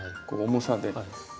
こう重さで。